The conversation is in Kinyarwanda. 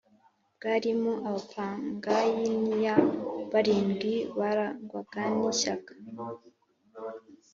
Bwarimo abapayiniya barindwi barangwaga n ishyaka